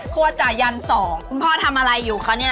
ครัวจ่ายัน๒คุณพ่อทำอะไรอยู่คะเนี่ย